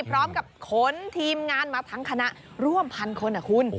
พร้อมกับขนทีมงานมาทั้งคณะร่วมพันคนนะคุณ